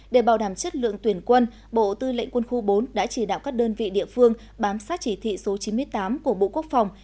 để bảo đảm chất lượng tuyển quân bộ tư lệnh quân khu bốn đã chỉ đạo các đơn vị địa phương bám sát chỉ thị số chín mươi tám của bộ quốc phòng